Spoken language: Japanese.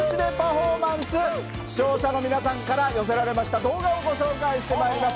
視聴者の皆さんから寄せられました動画をご紹介してまいります。